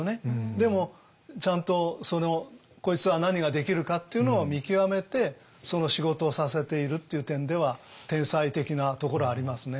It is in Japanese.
でもちゃんとこいつは何ができるかっていうのを見極めてその仕事をさせているっていう点では天才的なところはありますね。